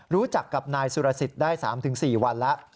รู้จักกับนายสุรสิทธิ์ได้๓๔วันแล้ว